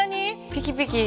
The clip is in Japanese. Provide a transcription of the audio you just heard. ピキピキ。